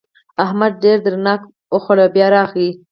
احمد ډېر درنګ وخوړ او بيا راغی.